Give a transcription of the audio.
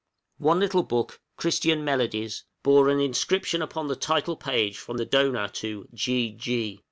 One little book, 'Christian Melodies,' bore an inscription upon the title page from the donor to G. G.